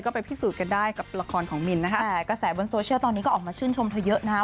ไปพิสูจน์กันได้กับละครของมินนะคะแต่กระแสบนโซเชียลตอนนี้ก็ออกมาชื่นชมเธอเยอะนะคะ